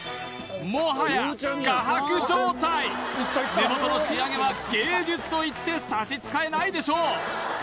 もはや目元の仕上げは芸術といって差し支えないでしょう